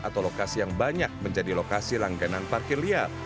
atau lokasi yang banyak menjadi lokasi langganan parkir liar